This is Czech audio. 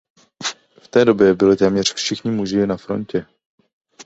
V té době byli téměř všichni muži na frontě.